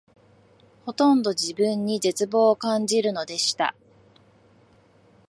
ほとんど自分に絶望を感じるのでした